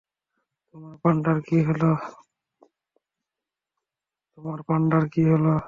তোমার পান্ডার কী হলো?